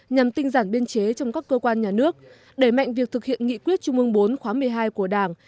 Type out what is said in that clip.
nhằm tinh giản biên chế trong các cơ quan nhà nước đẩy mạnh việc thực hiện nghị quyết trung ương bốn khóa một mươi hai của đảng